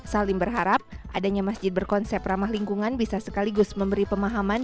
salim berharap adanya masjid berkonsep ramah lingkungan bisa sekaligus memberi pemahaman